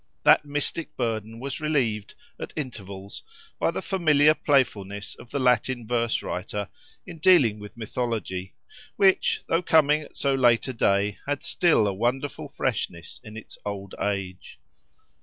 That mystic burden was relieved, at intervals, by the familiar playfulness of the Latin verse writer in dealing with mythology, which, though coming at so late a day, had still a wonderful freshness in its old age.